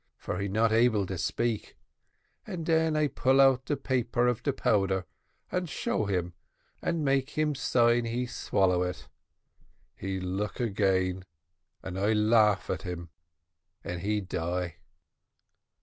for he not able to speak, and den I pull out de paper of de powder, and I show him, and make him sign he swallow it: he look again, and I laugh at him and he die."